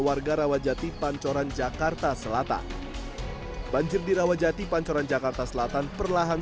warga rawajati pancoran jakarta selatan banjir di rawajati pancoran jakarta selatan perlahan